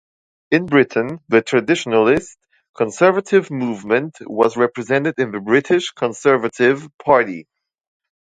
In Britain, the traditionalist conservative movement was represented in the British Conservative Party.